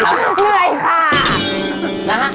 เหนื่อยค่ะ